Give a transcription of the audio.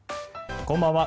こんばんは。